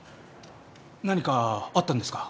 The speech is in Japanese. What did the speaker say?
何かあったんですか？